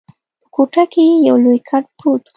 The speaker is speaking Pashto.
په کوټه کي یو لوی کټ پروت وو.